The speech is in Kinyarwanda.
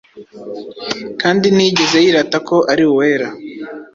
Kandi ntiyigeze yirata ko ari uwera,